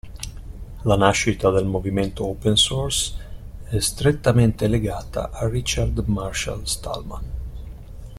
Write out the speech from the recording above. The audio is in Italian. La nascita del movimento Open Source è strettamente legata a Richard Marshall Stallman.